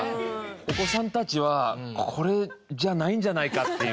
お子さんたちは「これじゃないんじゃないか？」っていう。